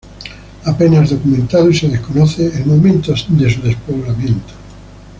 Apenas documentado y se desconoce el momento de su despoblamiento.